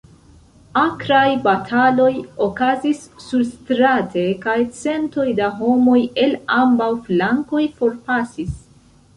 Akraj bataloj okazis surstrate, kaj centoj da homoj el ambaŭ flankoj forpasis.